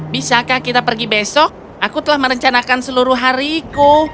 bisakah kita pergi besok aku telah merencanakan seluruh hariku